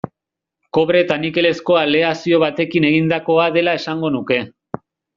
Kobre eta nikelezko aleazio batekin egindakoa dela esango nuke.